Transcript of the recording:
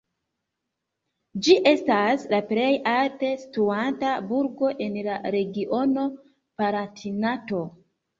Ĝi estas la plej alte situanta burgo en la regiono Palatinato.